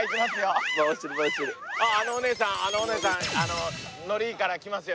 あのお姉さんあのお姉さんノリいいから来ますよ